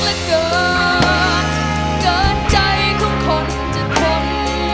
และเกิดเกิดใจของคนจะเทิม